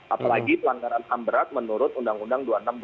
apalagi pelanggaran ham berat menurut undang undang dua ribu enam belas